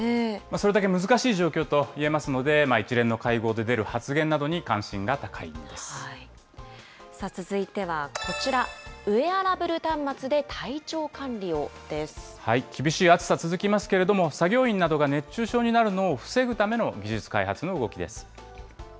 それだけ難しい状況といえますので、一連の会合で出る発言な続いてはこちら、ウエアラブ厳しい暑さ、続きますけれども、作業員などが熱中症になるのを防ぐための技術開発の動きです。